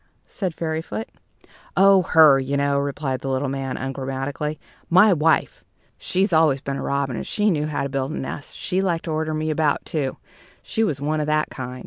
said Fairyfoot "Oh, her, you know," replied the little man, ungrammatically, "my wife. She'd always been a robin, and she knew how to build a nest; she liked to order me about, too she was one of that kind.